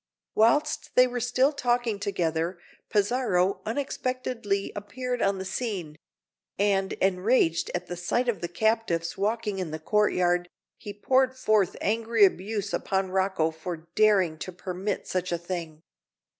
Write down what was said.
Whilst they were still talking together, Pizarro unexpectedly appeared on the scene; and, enraged at the sight of the captives walking in the courtyard, he poured forth angry abuse upon Rocco for daring to permit such a thing.